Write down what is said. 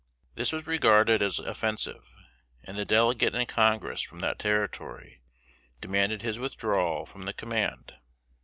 This was regarded as offensive, and the delegate in Congress from that Territory demanded his withdrawal from the command.